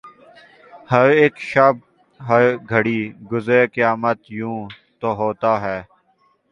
ہر اک شب ہر گھڑی گزرے قیامت یوں تو ہوتا ہے